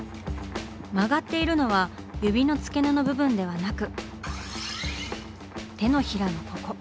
曲がっているのは指の付け根の部分ではなく手のひらのここ。